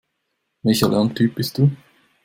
Welcher Lerntyp bist du?